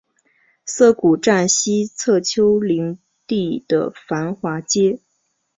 涩谷站西侧丘陵地的繁华街。